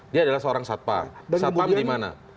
dia adalah seorang satpa satpam di mana